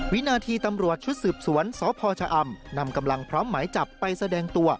วินาทีตำรวจชุดสืบสวนสพชะอำนำกำลังพร้อมหมายจับไปแสดงตัว